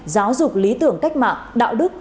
giáo dục lý tưởng cách mạng đạo đức